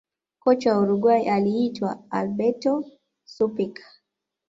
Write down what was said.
kocha wa uruguay aliitwa alberto suppici